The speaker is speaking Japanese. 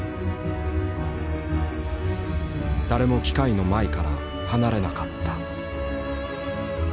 誰も機械の前から離れなかった。